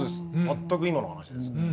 全く今の話ですね。